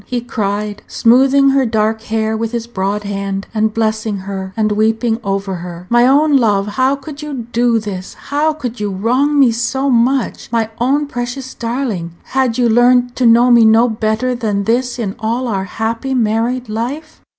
he cried, smoothing her dark hair with his broad hand, and blessing her, and weeping over her "my own love! How could you do this? how could you wrong me so much? My own precious darling! had you learned to know me no better than this in all our happy married life?"